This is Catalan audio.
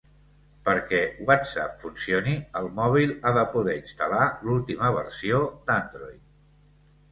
Perquè WhatsApp funcioni el mòbil ha de poder instal·lar l'última versió d'Android